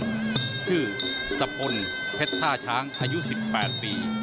ชื่อสะพลเพชรท่าช้างอายุ๑๘ปี